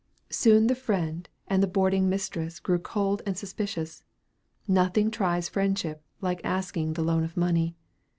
Soon the friend and the boarding mistress grew cold and suspicious. Nothing tries friendship like asking the loan of money.